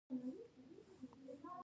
یو کوچنی دروغ لوی زیان راولي.